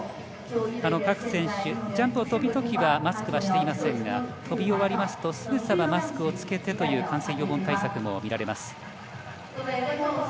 各選手ジャンプをするときはマスクはしていませんが飛び終わりますとすぐさまマスクをつけてという感染予防対策も見られます。